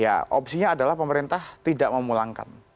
ya opsinya adalah pemerintah tidak memulangkan